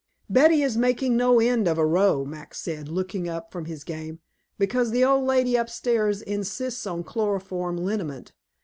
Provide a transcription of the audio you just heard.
"Betty is making no end of a row," Max said, looking up from his game, "because the old lady upstairs insists on chloroform liniment.